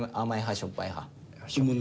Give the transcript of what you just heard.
しょっぱい派。